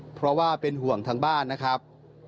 เพราะว่าเป็นห่วงทางบ้านนะครับ